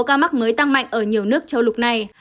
ca mắc mới tăng mạnh ở nhiều nước châu lục này